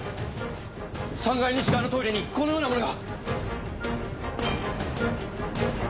３階西側のトイレにこのようなものが！